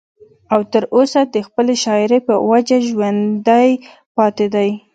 او تر اوسه د خپلې شاعرۍ پۀ وجه ژوندی پاتې دی